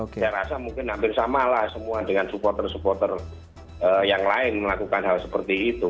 saya rasa mungkin hampir samalah semua dengan supporter supporter yang lain melakukan hal seperti itu